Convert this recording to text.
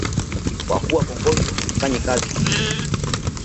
Kwa kuwa kongosho haifanyi kazi vizuri